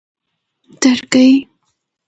درگۍ